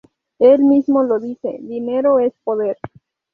Él mismo lo dice: 'Dinero es poder'.